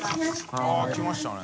あぁ来ましたね。